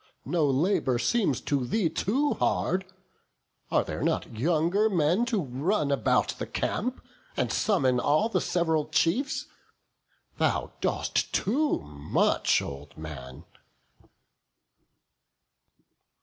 no labour seems For thee too hard; are there not younger men To run about the camp, and summon all The sev'ral chiefs? thou dost too much, old man."